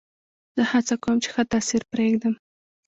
زه هڅه کوم، چي ښه تاثیر پرېږدم.